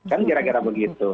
kan kira kira begitu